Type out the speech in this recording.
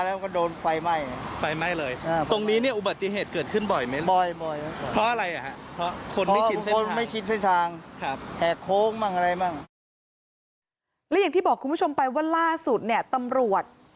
แล้วอย่างที่บอกคุณผู้ชมไปว่าล่าสุดเนี่ยตำรวจ